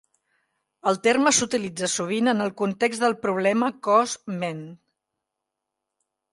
El terme s'utilitza sovint en el context del problema cos-ment.